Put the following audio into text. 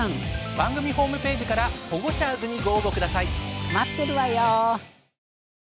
番組ホームページからホゴシャーズにご応募下さい！